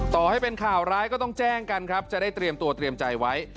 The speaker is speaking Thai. ต่อให้เป็นข่าวร้ายก็ต้องแจ้งกันครับจะได้เตรียมตัวเตรียมใจไว้